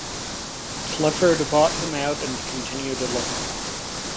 Clifford bought him out and continued alone.